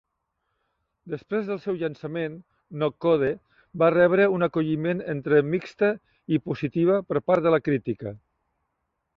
Després del seu llançament, "No Code" va rebre un acolliment entre mixta i positiva per part de la crítica.